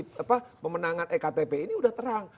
pemenangan ektp ini sudah terang